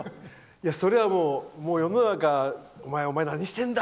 それは世の中お前、何してんだ！